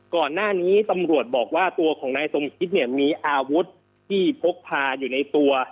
ก่อนหน้านี้ตำรวจบอกว่าตัวของนายสมคิดเนี่ยมีอาวุธที่พกพาอยู่ในตัว